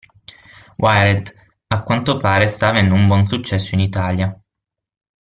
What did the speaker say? Wired a quanto pare sta avendo un buon successo in Italia.